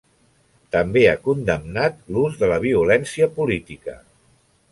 També ha condemnat l'ús de la violència política.